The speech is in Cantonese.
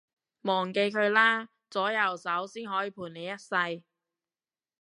忘記佢啦，左右手先可以陪你一世